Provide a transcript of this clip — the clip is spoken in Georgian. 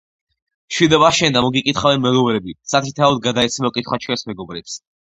მშვიდობა შენდა. მოგიკითხავენ მეგობრები. სათითაოდ გადაეცი მოკითხვა ჩვენს მეგობრებს.